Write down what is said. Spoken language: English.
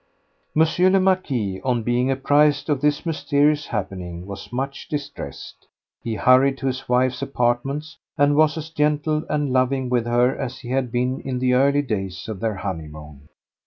M. le Marquis, on being apprised of this mysterious happening, was much distressed; he hurried to his wife's apartments, and was as gentle and loving with her as he had been in the early days of their honeymoon.